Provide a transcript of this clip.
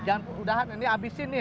jangan kemudahan ini abisin nih